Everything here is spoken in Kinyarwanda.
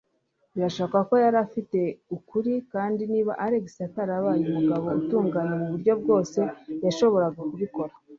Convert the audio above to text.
Birashoboka ko yari afite ukuri, kandi niba Alex atarabaye umugabo utunganye muburyo bwose, yashoboraga kubikora.